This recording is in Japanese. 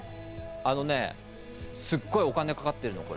あのね、すごいお金かかってるのこれ。